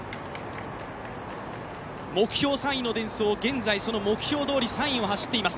目標３位のデンソー、現在、その目標どおり３位を走っています。